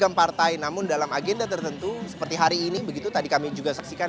namun dalam agenda tertentu seperti hari ini begitu tadi kami juga saksikan